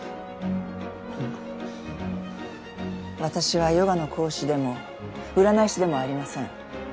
あの私はヨガの講師でも占い師でもありません。